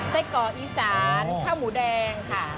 ไส้กรอกอีสานข้าวหมูแดงค่ะ